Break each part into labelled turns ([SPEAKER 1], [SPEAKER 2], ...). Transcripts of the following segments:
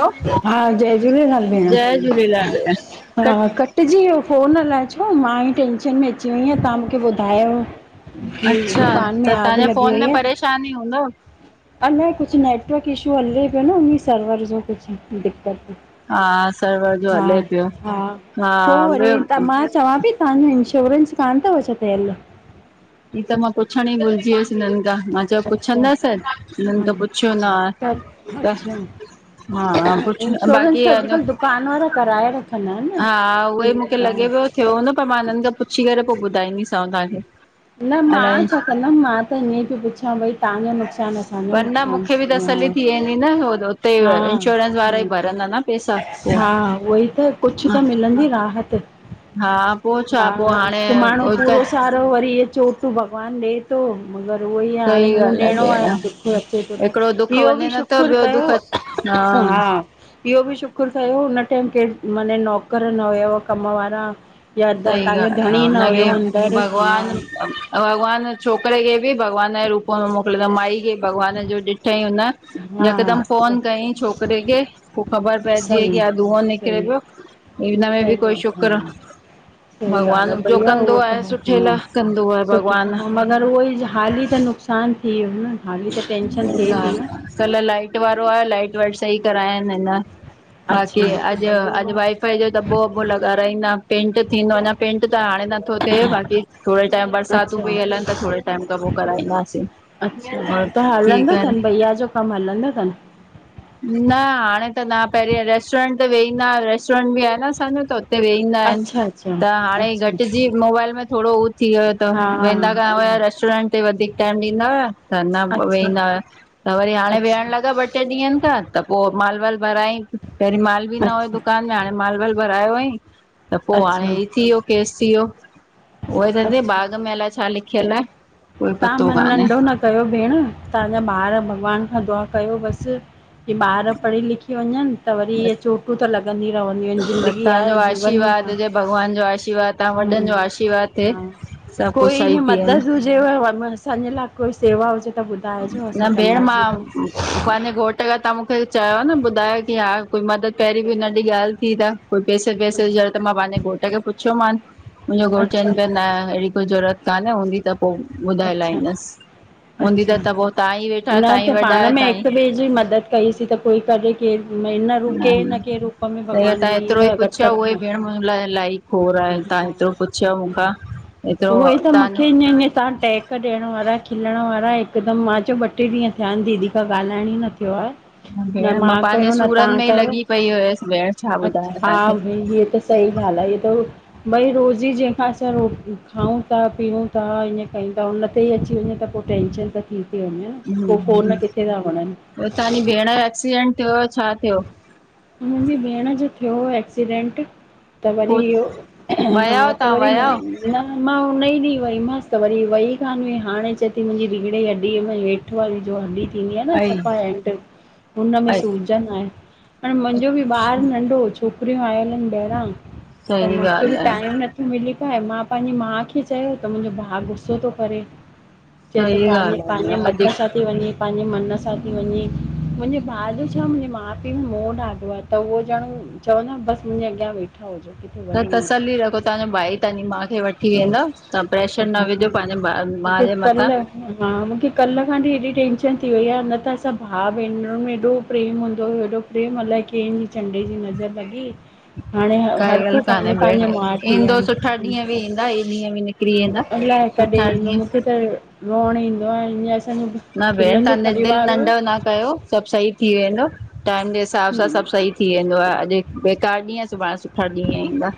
[SPEAKER 1] हलो
[SPEAKER 2] हा जय झूलेलाल भेंण
[SPEAKER 1] जय झूलेलाल भेण
[SPEAKER 2] हा कट कट जी वियो फोन अलाए छो मां ही टेंशन में अची वईंयां तहां मुखे ॿुधायो। जी
[SPEAKER 1] अच्छा
[SPEAKER 2] दुकान
[SPEAKER 1] त
[SPEAKER 2] में आग
[SPEAKER 1] तव्हांजे
[SPEAKER 2] लॻी
[SPEAKER 1] फोन
[SPEAKER 2] वई
[SPEAKER 1] में परेशानी हूंदव
[SPEAKER 2] हस। अलाए कुछ नेटवर्क इशू हले पियो न उन्ही सर्वर ॼो कुछ दिक्क़त।
[SPEAKER 1] हा सर्वर ॼो हले पियो हा,
[SPEAKER 2] पोइ वरी
[SPEAKER 1] ॿियो?
[SPEAKER 2] त मां चवां पई तहांजो इंश्योरेंस कान्ह तव छा थियल?
[SPEAKER 1] ही त मां पुछंण ही भुलिजी वियसि हिनखां मां चयो
[SPEAKER 2] अच्छा
[SPEAKER 1] पुछंदस, हिननि
[SPEAKER 2] हा
[SPEAKER 1] त पुछियो
[SPEAKER 2] त
[SPEAKER 1] नाहे त
[SPEAKER 2] अच्छा
[SPEAKER 1] हा कुछ न ॿाक़ी [unintelligible]
[SPEAKER 2] कानवर कराए वठ्
[SPEAKER 1] हा उहई मुखे लॻे पियो थियो हुन्दो पर मां हिननि खां पुछी करे पो ॿुधाईंदीसांव तहांखे
[SPEAKER 2] न मांण छा कंदमि मां त ईअं पई पुछां भई तहांॼो नुक़सानु न थे
[SPEAKER 1] पर न मूंखे ॿि तसल्ली थी वेंदी न हो हुते
[SPEAKER 2] हा
[SPEAKER 1] इंश्योरेंस
[SPEAKER 2] हा
[SPEAKER 1] वारा ई भरंदा न पैसा
[SPEAKER 2] हा
[SPEAKER 1] पोइ
[SPEAKER 2] उहो ई त, कुछु त मिलंदी राहत
[SPEAKER 1] हा पो छा पो हाणे
[SPEAKER 2] त वरी इहे चोटूं भॻवान ॾे तो मगरि उहोई आ हांणें
[SPEAKER 1] सही
[SPEAKER 2] मुंह
[SPEAKER 1] ॻाल्हि
[SPEAKER 2] ॾियणो
[SPEAKER 1] भेण
[SPEAKER 2] आहे दुखु अचे तो त,
[SPEAKER 1] हिकिड़ो दुख
[SPEAKER 2] इहो ॿि
[SPEAKER 1] वञे न त
[SPEAKER 2] शुखुरु
[SPEAKER 1] ॿियो
[SPEAKER 2] कयो
[SPEAKER 1] दुख हा
[SPEAKER 2] हा इहो बि शुकर कयो हुन टाइम केर माने नौकर न हुयव कम वारा या
[SPEAKER 1] सई
[SPEAKER 2] तव्हांजो
[SPEAKER 1] गाल्ह,
[SPEAKER 2] धणी न
[SPEAKER 1] उनखे
[SPEAKER 2] हुयो अंदरि हा
[SPEAKER 1] भगवान भॻवान छोकिरे खे बि भॻवान जे रूप में मोकलयाईं माई खे भॻवान जो ॾिठईं हुन
[SPEAKER 2] हा
[SPEAKER 1] यकदम
[SPEAKER 2] सही
[SPEAKER 1] फोन कयईं छोकिरे खे, पो ख़बर पइजी वई की
[SPEAKER 2] सही
[SPEAKER 1] हा धुओं निकरे
[SPEAKER 2] सही आहे
[SPEAKER 1] पयो हिन में बि
[SPEAKER 2] सही
[SPEAKER 1] कोई
[SPEAKER 2] आ हा
[SPEAKER 1] शुक्र
[SPEAKER 2] सही ॻाल्हि आ
[SPEAKER 1] भॻवान जो
[SPEAKER 2] भईया उहो
[SPEAKER 1] कंदो आहे सुठे लाइ
[SPEAKER 2] त
[SPEAKER 1] कंदो आहे
[SPEAKER 2] सुठे
[SPEAKER 1] भॻवान
[SPEAKER 2] अगर उहोई हाली त नुक़सान थी वयो न हाली त टेंशन थिए थी न
[SPEAKER 1] कल लाइट वारो आयो लाइट वाइट सही करायन हिनन बाकी
[SPEAKER 2] अच्छा
[SPEAKER 1] अॼु वाई फाई जो दॿो वबो लॻाराईंदा पेंंट थींदो अञा पेंंट त हाणे नथो थे बाकी थोरे टाइम बरसातूं
[SPEAKER 2] अच्छा
[SPEAKER 1] पयूं हलनि त थोरे टाइम खां पो कराईंदासीं
[SPEAKER 2] अच्छा
[SPEAKER 1] थी
[SPEAKER 2] हलंदो
[SPEAKER 1] करे
[SPEAKER 2] तन, भईया जो कमु हलंदो तन?
[SPEAKER 1] न हाणे त न पहिरीं रेस्टोरेंट ते वेहींदा हा रेस्टोरेंट भी आहे न असांजो त हुते वेही ईंदा आहिन
[SPEAKER 2] अच्छा अच्छा
[SPEAKER 1] त हाणे
[SPEAKER 2] अच्छा
[SPEAKER 1] घटिजी मोबाइल में थोरो उह थी वियो त
[SPEAKER 2] हा
[SPEAKER 1] वेंदा कया हुया रेस्टोरेंट ते वधीक टाइम ॾींदा हुआ त न
[SPEAKER 2] अच्छा
[SPEAKER 1] वेंदा हुया त वरी हाणे वेहण
[SPEAKER 2] अच्छा
[SPEAKER 1] लॻा ॿ टे ॾींहन ठीक आहे त पोइ माल वाल भराई पहिरीं माल बि न हुयो
[SPEAKER 2] अच्छा
[SPEAKER 1] दुकान में हाणे माल वाल भरायो हुयईं त पोइ हाणे
[SPEAKER 2] अच्छा
[SPEAKER 1] ही थी वयो केस थी वयो उहोई चांती
[SPEAKER 2] अच्छा
[SPEAKER 1] भाग में अलाए छा लिखियल आ
[SPEAKER 2] तव्हां मन नंढो न कयो भेण तव्हांजा ॿार भॻवान खां दुआ कयो बसि की ॿार पढ़ी लिखी वञनि त वरी इअ चोटूं त लॻनि दी ही रहंदियू आहिनि
[SPEAKER 1] बस
[SPEAKER 2] ज़िंदगी
[SPEAKER 1] तव्हांजो
[SPEAKER 2] आहे जीवन मे,
[SPEAKER 1] आशीर्वाद
[SPEAKER 2] हं
[SPEAKER 1] हुजे भॻवान जो आशीर्वाद तव्हां वॾनि जो
[SPEAKER 2] हम्म
[SPEAKER 1] आशीर्वाद थिए
[SPEAKER 2] हा
[SPEAKER 1] सभु कुझु
[SPEAKER 2] कोई
[SPEAKER 1] सही थी वेंदो
[SPEAKER 2] मदद हुजेव असांजे लाइ कोई सेवा हुजेव त ॿुधाइजो असां
[SPEAKER 1] न भेण,
[SPEAKER 2] कंदासीं त
[SPEAKER 1] मां पांजे घोट त तव्हां मूंखे चयो न ॿुधायो की हा कोई मदद पहिरीं बि हु नढी ॻाल्हि थी त कोई पैसे पैसे जी जरुरत मां पंहिंजे घोट खे पुछियो मान मुंहिंजो घोटु
[SPEAKER 2] अच्छा
[SPEAKER 1] चवनि पिया न अहिड़ी कोई जरूरत काने हूंदी त पो ॿुधाए
[SPEAKER 2] अच्छा
[SPEAKER 1] लाईंदस, हूंदी
[SPEAKER 2] अच्छा
[SPEAKER 1] त त पोइ तव्हां ई वेठा
[SPEAKER 2] न
[SPEAKER 1] आहियो तव्हां
[SPEAKER 2] त
[SPEAKER 1] ई वॾा
[SPEAKER 2] पाण
[SPEAKER 1] आहियो
[SPEAKER 2] में
[SPEAKER 1] तव्हां ई
[SPEAKER 2] हिकु ॿिए जी मदद कईसीं त कोई कॾहिं केर न रुके न के रूप में
[SPEAKER 1] त
[SPEAKER 2] भॻवान
[SPEAKER 1] तव्हां एतिरो
[SPEAKER 2] वेईंदो
[SPEAKER 1] ई
[SPEAKER 2] आ घट
[SPEAKER 1] पुछियव उहो ई
[SPEAKER 2] में
[SPEAKER 1] भेण मुंहिंजे लाइ इलाही खोड़ आहे तव्हां एतिरो पुछियव मूंखां एतिरो
[SPEAKER 2] उहो ई त
[SPEAKER 1] तव्हां
[SPEAKER 2] मूंखे तवहां टहक ॾियण वारा खिलण वारा हिकदम मां चयो ॿ टे ॾीहं थिया आहिन दीदी खां ॻाल्हाइण ही न थियो आ न
[SPEAKER 1] भेण
[SPEAKER 2] मां
[SPEAKER 1] पंहिंजे
[SPEAKER 2] कयो न
[SPEAKER 1] सूरत
[SPEAKER 2] तहां
[SPEAKER 1] में ई
[SPEAKER 2] कयो,
[SPEAKER 1] लॻी पई हुयसि भेण छा ॿुधायां
[SPEAKER 2] अच्छा हा
[SPEAKER 1] तव्हांखे।
[SPEAKER 2] भाई हे त सही ॻाल्हि आ इीअ त भई रोजी जेका असां खाऊं था पीयूं था ईअं कईं त उन ते ई अची वञे त पो टेंशन त थी ती वञेन।
[SPEAKER 1] हम्म, पो तव्हां जी भेण जो एक्सीडेंट थियो हो छा थियो?
[SPEAKER 2] मुंहिंजी भेण जो थियो हो एक्सीडेंट त वरी
[SPEAKER 1] पो
[SPEAKER 2] इहो हा
[SPEAKER 1] वया हुयो
[SPEAKER 2] त
[SPEAKER 1] तव्हां
[SPEAKER 2] वरी
[SPEAKER 1] वया हुयो?
[SPEAKER 2] न मां हुन ई ॾींहुं वईमांसि त वरी वई कान हुई हाणे चए थी मुंहिंजी रीड़ जी हॾीअ में अठ वारी जो हॾी थींदी आहे न
[SPEAKER 1] अई
[SPEAKER 2] सफा एंड हुनमें
[SPEAKER 1] अई
[SPEAKER 2] सूजन आ। हाणे मुंहिंजो भी ॿार नंढो छोकरियूं आयल आहिन ॿाहिरां त
[SPEAKER 1] सही
[SPEAKER 2] मूंखे बि
[SPEAKER 1] ॻाल्हि आहे,
[SPEAKER 2] टाइम न मिली पाए मां पंहिंजी मां खे चयो त मुंहिंजो भाउ गुस्सो तो करे। चेतो
[SPEAKER 1] सही
[SPEAKER 2] पांजे
[SPEAKER 1] ॻाल्हि आहे
[SPEAKER 2] पांजे
[SPEAKER 1] भेण अॼु
[SPEAKER 2] मथां सब। ते वञी पंहिंजे मन सां थी वञी मुंहिंजे भा जो छा मुंहिंजे माउ पीउ मो ॾाधो आ त उहो ॼण चवंदो आ त बसि मुंहिंजे अॻियां वेठा हुजो। किथे
[SPEAKER 1] त
[SPEAKER 2] वञो न
[SPEAKER 1] तसल्ली रखो तव्हांजो भा ही तव्हांजी माउ खे वठी वेंदव प्रेशर न विझो पंहिंजे भा माउ
[SPEAKER 2] मूंखे
[SPEAKER 1] जे मथां।
[SPEAKER 2] कल्ह हा मूंखे कल्ह खां हेएॾी टेंशन थी वई आ न त असां भाउ भेनरुन में एॾो प्रेम हूंदो हुयो। केॾं मल की चंडे जी नज़र लॻी। हाणे
[SPEAKER 1] काई
[SPEAKER 2] हर
[SPEAKER 1] ॻाल्ह
[SPEAKER 2] को पंहिंजे
[SPEAKER 1] कान्हेेण
[SPEAKER 2] पंहिंजे माउ पीउ
[SPEAKER 1] ईंदो सुठा
[SPEAKER 2] आहिनि
[SPEAKER 1] ॾींहं बि ईंदा ई ॾींहं बि निकिरी वेंदा।
[SPEAKER 2] अलाए कॾहिं
[SPEAKER 1] सुठा
[SPEAKER 2] ईंदो
[SPEAKER 1] ॾींहं
[SPEAKER 2] मूंखे त रोण ईंदो आहे ईअ असांजो
[SPEAKER 1] न भेण
[SPEAKER 2] खिलंदो
[SPEAKER 1] तव्हां दिल
[SPEAKER 2] परिवार हो
[SPEAKER 1] नंढो न कयो सब सहि थी वेंदो टाइम जे हिसाब सां सब सही। थी वेंदो आहे अञ बेकार ॾींहं सुभाणे सुठा ॾींहं ईंदा।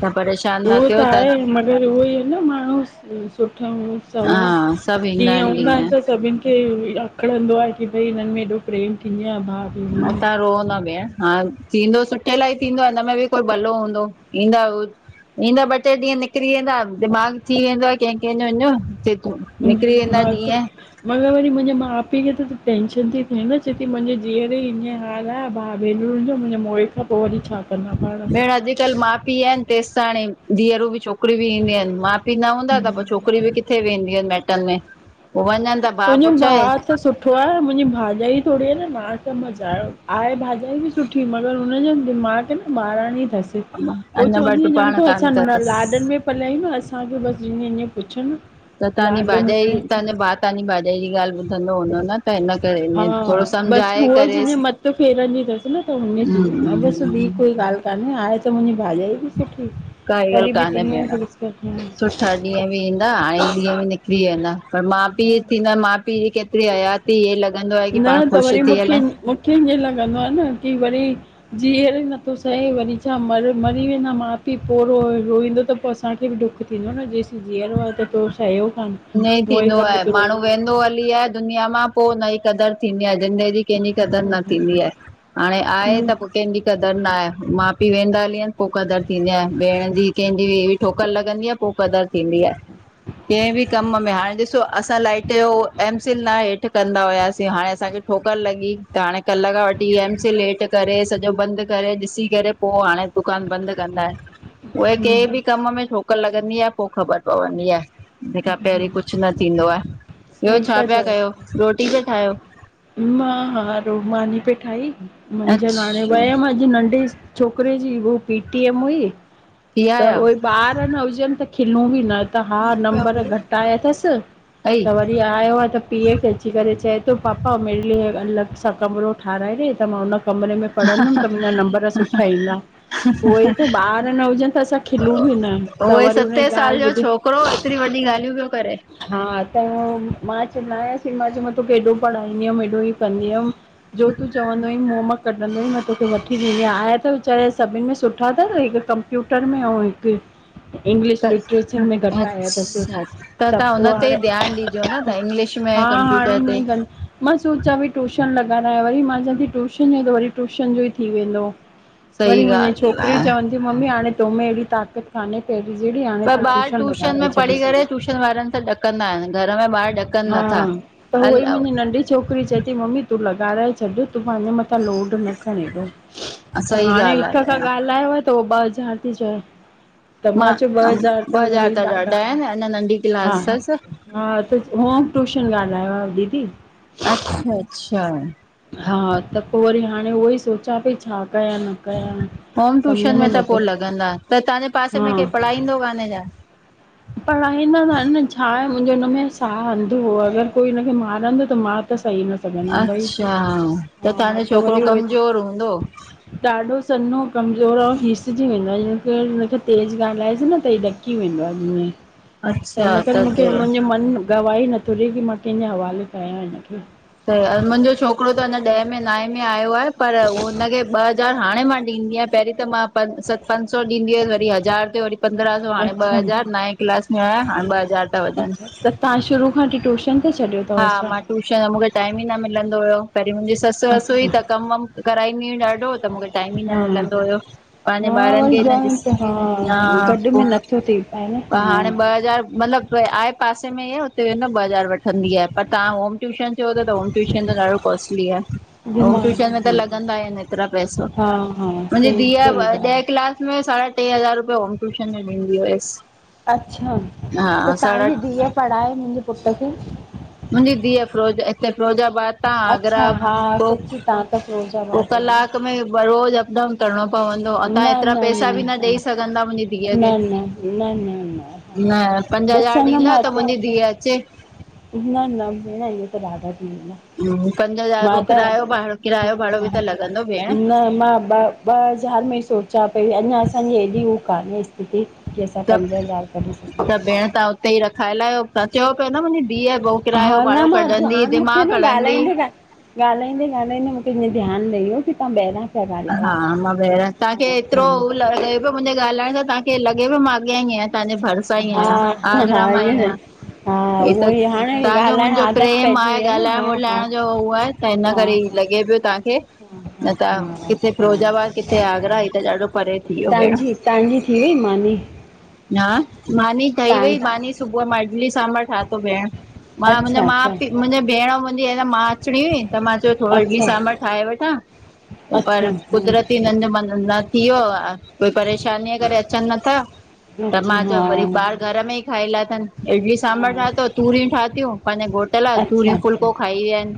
[SPEAKER 1] तां परेशान न थ्यो
[SPEAKER 2] अगरि उहो ई आहे न माण्हू सुठा सवा
[SPEAKER 1] हा सभु ईंदा
[SPEAKER 2] ॾींहं
[SPEAKER 1] आहिनि
[SPEAKER 2] हूंदा आहिन त सभिन क आखणंदो आ की भई हिननि मेंय एॾो प्रेम थींदी आ भाउ भेण
[SPEAKER 1] ह तां
[SPEAKER 2] में
[SPEAKER 1] रोहो न भेण हा थींदो सुठे लाइ थींदो हिनमें बि कोई भलो हूंदो ईंदा हु ईंदा ॿ टे ॾींहं निकिरी वेंदा दिमाग़ थी वेंदो आ कंहिं कंहिंजो निकिरी वेंदा
[SPEAKER 2] हा त
[SPEAKER 1] ॾींहं
[SPEAKER 2] मगर वरी मुंहिंजे माउ पीउ खे त टेंंशन थी चेती मुंहिंजे धीअउर ईं हा द भाउ भेनरू ॾिजो मुंहिंजे मोए खां पोइ वरी छा कंदा पाण में
[SPEAKER 1] भेण अॼुकल्ह माउ पीउ आहिन त तेसत त हाणे धीअरूं बि चोयूं छोकरी बि ईंदयू आहिन माउ पीउ न हूंदा त पोइ छोकिरी बि किथे वेंदियूं आहिन माटनि में पोइ वञनि त
[SPEAKER 2] मुंहिंजो भाउ त सुठ सुठो आहे मुंहिंजी भाॼाई थोरी आहे न माउ सां मज़ायो आ भाॼाई बि सुठी मगर हुनज जो दिमाग़ में - - ॿारणी ई थस पोइ
[SPEAKER 1] अञा
[SPEAKER 2] चवंदी
[SPEAKER 1] ॿ
[SPEAKER 2] ॼण
[SPEAKER 1] पाण
[SPEAKER 2] को
[SPEAKER 1] कान
[SPEAKER 2] असां
[SPEAKER 1] अथसि
[SPEAKER 2] लाॾन में पलाई न असांखे बसि ईअं ईअं पुछ न - -
[SPEAKER 1] त तव्हांजी भाॼाई तव्हांज भाउ तव्हांजी भाॼाई जी ॻाल्ह ॿुधंदो हूंदो न। त हिन करे
[SPEAKER 2] हा
[SPEAKER 1] इ थोरो
[SPEAKER 2] बस
[SPEAKER 1] सम्झाए
[SPEAKER 2] उअ जं
[SPEAKER 1] करेसि
[SPEAKER 2] मत फेरंदी थस न त उन जी बस ॿी
[SPEAKER 1] हम्म
[SPEAKER 2] कोई ॻाल्ह कान्हे आहे त मुंहिंजी भाॼाई। सुठी
[SPEAKER 1] काई ॻाल्हि
[SPEAKER 2] वरी बि
[SPEAKER 1] कान्हे
[SPEAKER 2] दुनिया
[SPEAKER 1] भेण
[SPEAKER 2] जी विसकती। [unintelligible]
[SPEAKER 1] सुठा ॾींहं बि ईंदा हाणे ॾींहं बि निकिरी वेंदा पर माउ पीउ थींदा माउ पीउ जी केतिरी हयात त हीअं लॻंदो आ की
[SPEAKER 2] न
[SPEAKER 1] पाण
[SPEAKER 2] त
[SPEAKER 1] ख़ुश
[SPEAKER 2] वरी
[SPEAKER 1] थी
[SPEAKER 2] मूंखे
[SPEAKER 1] हला
[SPEAKER 2] मूंखे ईअं लॻंदो आ न की वरी जीअर नथो सह वरी छा म मरी वेंदा माउ पीउ पोइ रो रोईंदो त पोइ असांखे बि डुख थींदो न जेसं जीअरो आ त तो स कोन
[SPEAKER 1] ईअ थींदो आहे माण्हू वेंदो हली आ दुनिया मां पोइ उनई कदरु थींदी आ ज़िंदेजी कंहिंजी कदर न थींदी आहे हाणे आहे त कंहिंजी कदर न आ माउ पीउ वेंदा हली वनि पो कदर थींदी आहे भेण जी कंहिंजी ठोकर लॻंदी आहे पो कदर थींदी आहे कं बि कम में हाणे ॾिसो असां लाइटए सिल हेठ कंदा हुआसीं हाणे असांखे ठोकर लॻी त हाणे कल्ह खां वठी म सिल हेठि करे सॼो बंद करे ॾिसी करे पो हाणे दुकान बंद कंदा आयन उहे के ॿि कम में ठोकर लॻंदी आये पो ख़बर पवंदी आये‌। पैंरी कुछ न थींदो आ ॿयो
[SPEAKER 2] सही
[SPEAKER 1] छा
[SPEAKER 2] था
[SPEAKER 1] पया कयो
[SPEAKER 2] चओ
[SPEAKER 1] रोटी पे ठायो?
[SPEAKER 2] मां हा रोमानी पई ठाई मुंज हाणे
[SPEAKER 1] अच्छा
[SPEAKER 2] वयम अॼ नंढे छोकरे ॼी हू पीटीएम हुई
[SPEAKER 1] थी
[SPEAKER 2] त
[SPEAKER 1] आया
[SPEAKER 2] उये ॿार न हुजन त खिलूं ॿि न। त हा नंबर घट आया थस
[SPEAKER 1] अई
[SPEAKER 2] त वरी आयो आ त पीए खे अची करे चए तो पापा मेरे लिए अलॻ सां कमरो ठाराएॾे त मां हुन कमरे में पढ़ंदुम त मुंजा नंबर सुठा ईंदा। उय ई त ॿार न हुजन त असां खिलूं ॿि न त
[SPEAKER 1] उहे
[SPEAKER 2] वरी हुन ॼी
[SPEAKER 1] सते साल
[SPEAKER 2] ॻाल
[SPEAKER 1] जो
[SPEAKER 2] ॿुधी
[SPEAKER 1] छोकिरो एतिरी वॾी ॻालियो पयो करे।
[SPEAKER 2] हा त मां चवंदा आस मां चयो मां तोखे एॾो पढ़ाईंदी अम एॾो ईअ कंदीअम। जो तूं चवंदो हुई मुं मां कढंदो मां तोखे वठी ॾींदी आ आया त वीचारा सॿिन में सुठा थव हिक कंप कंप्यूटर में ऐं हिक इंग्लिश
[SPEAKER 1] त
[SPEAKER 2] लिटरेचर में घट आया। तस
[SPEAKER 1] अच्छा
[SPEAKER 2] त
[SPEAKER 1] तव्हां
[SPEAKER 2] पो
[SPEAKER 1] हुन ते
[SPEAKER 2] हाणे
[SPEAKER 1] ई ध्यानु ॾिजो न तव्हां इंग्लिश
[SPEAKER 2] हा
[SPEAKER 1] में
[SPEAKER 2] हाणे
[SPEAKER 1] कंप्यूटर ते
[SPEAKER 2] इअं कं मां सोचयां पई टूशन लॻारा वरी मां चवां ती ट्यूशन जो त वरी टूशन जो ई थी वेंदो। वरी
[SPEAKER 1] सही
[SPEAKER 2] मुंजी
[SPEAKER 1] ॻाल्हि
[SPEAKER 2] छोकरियूं
[SPEAKER 1] आहे
[SPEAKER 2] चवंदियूं की मम्मी हाणे तो में एड़ी ताक़त काने पैरीं जेड़ी हाणे
[SPEAKER 1] पर
[SPEAKER 2] तू
[SPEAKER 1] ॿार
[SPEAKER 2] ट्यूशन
[SPEAKER 1] टूशन
[SPEAKER 2] लॻाराए।
[SPEAKER 1] में पढ़ी
[SPEAKER 2] छॾीसि
[SPEAKER 1] करे ट्यूशन वारन सां ॾकंदा आयन घर में ॿार ॾक
[SPEAKER 2] हा त उहई मुंजी नंढी छोकरी चए थी मम्मी तूं लॻाराए छॾ। तूं पेंॼे मथां लोड न खण ऐड़ो त
[SPEAKER 1] सही
[SPEAKER 2] हाणे हिक
[SPEAKER 1] ॻाल्हि
[SPEAKER 2] खां
[SPEAKER 1] आहे
[SPEAKER 2] ॻालायो आ। त ॿ हज़ार ती चये। त मां चयो ॿ हज़ार त वरी ॾाढा हा। हा त होम ट्यूशन ॻालायो आ दीदी।
[SPEAKER 1] अच्छा-अच्छा।
[SPEAKER 2] हा त पो वरी हाणे उओ ई सोचां पई छा कया न कया।
[SPEAKER 1] होम टूशन में त पो लॻंदा त तांजे पासे
[SPEAKER 2] हा
[SPEAKER 1] में के पढ़ाईंदो काने छा?
[SPEAKER 2] पढ़ाईंदा त आयन न छाये मुंजो हुन में साह अंधो हो अगर कोई हुनखे मारंदो त मां त सही नां
[SPEAKER 1] अच्छा त तांॼो छोकरो
[SPEAKER 2] वरी उहे
[SPEAKER 1] कमज़ोर हूंदो।
[SPEAKER 2] ॾाढो सन्नो कमज़ोर ऐं घिसजी वेंदो आ हुनखे तेज़ ॻालाएजे न त हे ॾकी वेंदो आ। त
[SPEAKER 1] अच्छा
[SPEAKER 2] हिन करे मूंखे
[SPEAKER 1] त
[SPEAKER 2] मुंजो मन। गवाह नथो ॾे की मां कैंजे हवाले कंया हिनखे।
[SPEAKER 1] त मुंजो छोकरो त अञा ॾह में नाए में आयो आये पर हुनखे ॿ हज़ार हाणे मां ॾींदी आयां पैरीं पैरीं त मांं सत पंज सौ ॾींदी हअस वरी हज़ार ते वरी। पंद्रहं सौ हाणे ॿ
[SPEAKER 2] अच्छा
[SPEAKER 1] हज़ार नाए क्लास में आया हाणे ॿ हज़ार ता वञन।
[SPEAKER 2] तां शुरू खां वठी ट्यूशन ते छॾयो थव छा?
[SPEAKER 1] टूशन मूंखे टाइम ई न मिलंदो होयो पैंरीं मुंजी सस ससई
[SPEAKER 2] अच्छा
[SPEAKER 1] त कम वम कराईंदी हुई ॾाढो त मूंखे टाइम ई न
[SPEAKER 2] हा
[SPEAKER 1] मिलंदो होयो। पांॼे
[SPEAKER 2] हा
[SPEAKER 1] ॿारन
[SPEAKER 2] वरी
[SPEAKER 1] खे न ॾिस
[SPEAKER 2] जॉइंट
[SPEAKER 1] हा
[SPEAKER 2] गॾ में
[SPEAKER 1] पो
[SPEAKER 2] नथो थी पाए न
[SPEAKER 1] त हाणे
[SPEAKER 2] हा
[SPEAKER 1] ॿ हज़ार मतलब। आहे पासे में ई हुते वेंदो ॿ हज़ार वठंदी आये पर तां होम ट्यूशन चयो ता त होम ट्यूशन त ॾाढो कॉस्टली आ होम
[SPEAKER 2] घुमण
[SPEAKER 1] ट्यूशन में त लॻंदा आयन ऐतरा पैसा।
[SPEAKER 2] हा हा
[SPEAKER 1] मुंजी
[SPEAKER 2] सही
[SPEAKER 1] धीया
[SPEAKER 2] सही ॻाल्हि
[SPEAKER 1] ॾह
[SPEAKER 2] आहे
[SPEAKER 1] क्लास में साढा टे हज़ार रुपया होम टूशन में ॾींदी होयस।
[SPEAKER 2] अच्छा त तांजी धीअ पढ़ाए मुंजे पुट खे।
[SPEAKER 1] मुंजी धीय फिरोजा इते फिरोजाबाद आगर
[SPEAKER 2] अच्छा हा
[SPEAKER 1] उ
[SPEAKER 2] सची तव्हां त फिरोजाबाद आहियो
[SPEAKER 1] कलाक में रोज़ अप डाउन। करिणो पवंदो आहे,
[SPEAKER 2] न
[SPEAKER 1] तव्हां हेएतिरा
[SPEAKER 2] न
[SPEAKER 1] पैसा बि न
[SPEAKER 2] हा
[SPEAKER 1] ॾेई सघंदा मुंहिंजी धीअ खे।
[SPEAKER 2] न न न न न हा
[SPEAKER 1] हां, पंज हज़ार
[SPEAKER 2] ॾिसंदमि
[SPEAKER 1] ॾींदा त मुंहिंजी धीउ अचे।
[SPEAKER 2] न-न भेण, इहें त ॾाढा थी वेंदा।
[SPEAKER 1] पंज हज़ार,
[SPEAKER 2] मां
[SPEAKER 1] ॿियो
[SPEAKER 2] त
[SPEAKER 1] किरायो भाड़ो
[SPEAKER 2] हा
[SPEAKER 1] किरायो- भाड़ो बि
[SPEAKER 2] हा
[SPEAKER 1] त लॻंदो भेण।
[SPEAKER 2] न, ॿ। ॿ हज़ार में सोचां पई, अञा असांजी एॾी हू कान्हेें। ती की असां
[SPEAKER 1] त
[SPEAKER 2] पंज हज़ार कढी सघूं।
[SPEAKER 1] भेण तव्हां त ई रखाए लायो, त चयो पा न मुंहिंजी धीअ किरायो
[SPEAKER 2] हा, न
[SPEAKER 1] भाड़ो
[SPEAKER 2] न,
[SPEAKER 1] कढंदी
[SPEAKER 2] ध्यानु मुखे
[SPEAKER 1] दिमाग़ु
[SPEAKER 2] न
[SPEAKER 1] हणंदी
[SPEAKER 2] ॻाल्हाईंदव। ॻाल्हाईंदे- ॻ्हाईंदे, मूंखे ईअं ध्यानु लही वियो की तव्हां ॿाहिरां पिया ॻाल्हायो
[SPEAKER 1] हा मां भे तव्हांखे
[SPEAKER 2] हा
[SPEAKER 1] एतिरो
[SPEAKER 2] हा
[SPEAKER 1] लॻे पियो मुंहिंजे ॻाल्हाइण सां तव्हांखे लॻे पियो मां अॻियां ई आहियां। तांहिंजे भरसा ई
[SPEAKER 2] हा
[SPEAKER 1] आहियां, आगरा
[SPEAKER 2] हा
[SPEAKER 1] मां ई
[SPEAKER 2] ईअं न,
[SPEAKER 1] आहियां।
[SPEAKER 2] हा
[SPEAKER 1] अ
[SPEAKER 2] उहो
[SPEAKER 1] त
[SPEAKER 2] ई हाणे
[SPEAKER 1] तव्हांजो
[SPEAKER 2] ॻाल्हाइण
[SPEAKER 1] मुंहिंजो
[SPEAKER 2] आदत
[SPEAKER 1] प्रेम
[SPEAKER 2] पइजी
[SPEAKER 1] आहे।
[SPEAKER 2] वई न हा
[SPEAKER 1] ॻाल्हाइण
[SPEAKER 2] हा
[SPEAKER 1] ॿोलाइण जो हू आहे। त हिन
[SPEAKER 2] हा
[SPEAKER 1] करे ई लॻे पियो तव्हांखे। न
[SPEAKER 2] हा
[SPEAKER 1] त
[SPEAKER 2] [unintelligible]
[SPEAKER 1] किथे फिरोजाबाद, किथे आगरा ई त ॾाढो परे थी वियो भेण।
[SPEAKER 2] तव्हांजी तव्हांजी थी वई मानी
[SPEAKER 1] हां, मानी ठही
[SPEAKER 2] तव्हां
[SPEAKER 1] वई, मानी सुबुह जो मां इडली सांभर ठातो भेण। मां, मुंहिंजा
[SPEAKER 2] अच्छा अच्छा
[SPEAKER 1] माउ- पीउ मुंहिंजी भेण, मुंहिंजी आहे न मा अचणी हुई, त मां चयो थोरो इडली-
[SPEAKER 2] अच्छा
[SPEAKER 1] सांभर ठाहे वठां।
[SPEAKER 2] अच्छा
[SPEAKER 1] पर
[SPEAKER 2] हा
[SPEAKER 1] कुदरती हिननि जो मन न थी वियो। ऐं कोई परेशानीअ करे अचनि नथा। त
[SPEAKER 2] अच्छा
[SPEAKER 1] मां चयो,
[SPEAKER 2] हा
[SPEAKER 1] भली ॿार। घर में ई खाइलाथनि, इडली
[SPEAKER 2] हा
[SPEAKER 1] सांभर ठातो, तूरियूं ठातियूं, पंहिंजे घोट ला
[SPEAKER 2] अच्छा
[SPEAKER 1] तूरियूं
[SPEAKER 2] अच्छा
[SPEAKER 1] फुलको खाई विया आहिनि।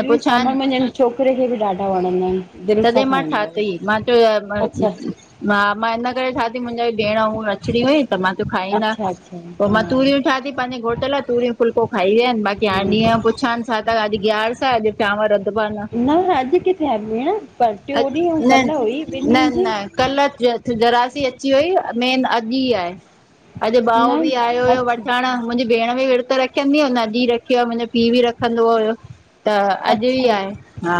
[SPEAKER 1] ऐं
[SPEAKER 2] सांभर
[SPEAKER 1] पुछान्
[SPEAKER 2] मुंहिंजे छोकिरे खे बि ॾाढा वणंदा आहिनि। दिलि सां
[SPEAKER 1] तॾहिं मां
[SPEAKER 2] खाईंदो आहे
[SPEAKER 1] ठाती, मां चयो
[SPEAKER 2] अच्छा
[SPEAKER 1] [unintelligible] हा मां इन करे, ठाती मुंहिंजा भेण हूअ अचणी हुई त मां चयो खाईंदा।
[SPEAKER 2] अच्छा अच्छा
[SPEAKER 1] पोइ मां
[SPEAKER 2] हा
[SPEAKER 1] तूरियूं ठातियूं, प पंहिंजे घट लाइ तूरियूं फुलिको खाई विया आहिनि बाक़ी हाण ॾींहं जो पुछान्। हा त अॼु ग्यारस आ, अॼु चांवर रधबा प न।
[SPEAKER 2] हां भेण, पर ट्यो ॾीहं ऐं कल हुई ॿिन ॾींहन जी।
[SPEAKER 1] कल थिउ थिजरासी अची वई न, मेन अॼु ई आहे [unintelligible] अॼु ॿाओ
[SPEAKER 2] न
[SPEAKER 1] बि आयो हुयो,
[SPEAKER 2] अच्छा
[SPEAKER 1] वठण। मुंहिंजी भेण बि विर्त रखंदी हुन, अॼु ई रखियो आहे, मुंहिंजो पीउ बि रखंदो हुयो। त, अॼु ई आहे। हा।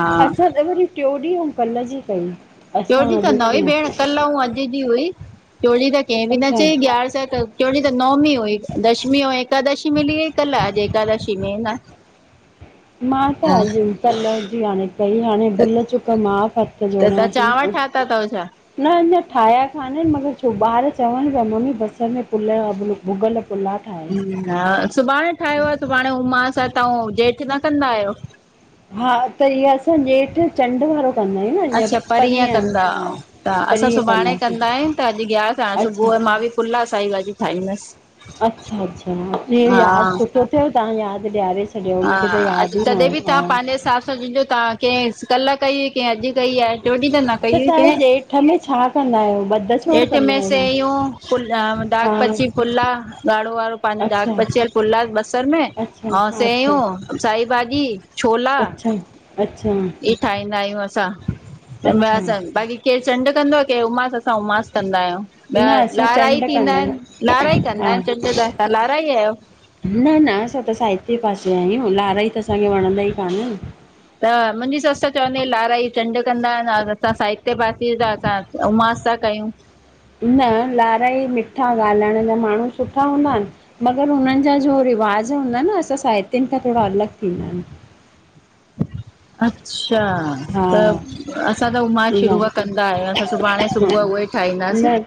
[SPEAKER 2] टि्यो ॾींह, अऊं कल्ह जी कई।
[SPEAKER 1] ट्यो
[SPEAKER 2] असां
[SPEAKER 1] ॾींहुं त
[SPEAKER 2] अॼु
[SPEAKER 1] न हुई
[SPEAKER 2] कीअं
[SPEAKER 1] भेण। कल्ह ऐंं अॼु जी हुई। टियो ॾींहं त कंहिं बि न
[SPEAKER 2] अच्छा
[SPEAKER 1] चई ग्यारस उ त। टियो ॾींहं त नवमी हुई। दशमी अऊं एकादशी मिली वई कल्ह, अॼु एकादशी में न। [unintelligible]
[SPEAKER 2] मां त अॼु ई, कल जी या ने। [unintelligible] भई हाणे
[SPEAKER 1] त
[SPEAKER 2] भुल चुक माफ़, हथ
[SPEAKER 1] त
[SPEAKER 2] जोड़ियां
[SPEAKER 1] तव्हां
[SPEAKER 2] थी।
[SPEAKER 1] चांवर ठाता अथव छा?
[SPEAKER 2] न अञां ठाहिया कानन, मगर छो ॿार चवन पिया मम्मी बसर में पुल्ला अ भु भुॻल - -
[SPEAKER 1] हा सुभाणे ठाहियो हा, सुभाणे उमास तव्हां जेठ न कंदा आहियो?
[SPEAKER 2] हा त इहा असां ॼेठ। चंड वारो कंदा आहियूं न, जिंय
[SPEAKER 1] अच्छा परीहं
[SPEAKER 2] परींह
[SPEAKER 1] कंदा
[SPEAKER 2] हा
[SPEAKER 1] त असां
[SPEAKER 2] परींहं
[SPEAKER 1] सुभाणे
[SPEAKER 2] कंदासीं।
[SPEAKER 1] कंदा आहियूं त अॼु गियारस आ
[SPEAKER 2] अच्छा
[SPEAKER 1] सुबुह मां बी पुलाह साई भाॼी ठाईंदस्।
[SPEAKER 2] अच्छा- अच्छा, हा इहो यादि सुठो थियो तव्हां यादि ॾियारे छॾ
[SPEAKER 1] हां, अॼु तॾहिं बि तव्हां पंहिंजे हिसाब सां, जहिंजो तव्हां, कंहिं कल्ह कई कें अॼु कई आहे। टियो ॾींहं त न कई हुई
[SPEAKER 2] तव्हां
[SPEAKER 1] कैं।
[SPEAKER 2] ॼेठ में छा कंदा आहियो ॿध छोड़
[SPEAKER 1] ॼेठ
[SPEAKER 2] कंदा
[SPEAKER 1] में
[SPEAKER 2] आहियो
[SPEAKER 1] सैयूं पुलाव दाग
[SPEAKER 2] हा
[SPEAKER 1] पची पुलाव ॻाड़ो वारो पांहिंजो दाग
[SPEAKER 2] अच्छा
[SPEAKER 1] पचियल पुलाव बसर में
[SPEAKER 2] अच्छा अच्छा अच्छा
[SPEAKER 1] सयूं, साई भाॼी, छोला,
[SPEAKER 2] अच्छा।
[SPEAKER 1] ई ठाहींदा आहियूं, असां तंहिंमां
[SPEAKER 2] अच्छा
[SPEAKER 1] असां बाक़ी केर चंड कंदो आ, केर उमास असां उमास कंदा आहियूं। न
[SPEAKER 2] असां
[SPEAKER 1] लाराई
[SPEAKER 2] चंड
[SPEAKER 1] थींदा
[SPEAKER 2] कंदा आहियूं
[SPEAKER 1] आहिनि लाराई कंदा
[SPEAKER 2] हा
[SPEAKER 1] आहिनि चंड त, तां लाराई आयो?
[SPEAKER 2] न -न, असां त साइते पासे आयूं, लाराई त असांखे वणंदा ई कानन।
[SPEAKER 1] त मुंहिंजी ससु त चवंदी आ, लाराई चंड कंदा आहिनि, असां साइते पासे जा असां त उमास ता कयूं।
[SPEAKER 2] न लाराई मिठा ॻाल्हाइण जा माण्हू सुठा हूंदाइन, मगर हुननि जा जो रिवाज हूंदाइन असां साहित्युनि खां थोड़ा अलॻि थींदा आहिनि।
[SPEAKER 1] अच्छा। त
[SPEAKER 2] हा
[SPEAKER 1] असां त उ मां
[SPEAKER 2] न
[SPEAKER 1] शुरूअ कंदा आहियूं, असां सुभाणे सुबुह उहे ई ठाहींदासीं।
[SPEAKER 2] न